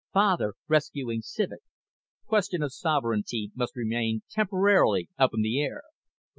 (Father, rescuing Civek) Q of sovereignty must remain temporarily up in the air.